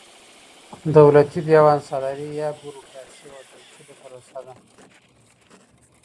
دولتي دېوان سالاري يا بروکراسي يوه پېچلې پروسه ده.